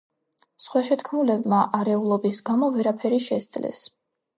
სხვა შეთქმულებმა არეულობის გამო ვერაფერი შესძლეს.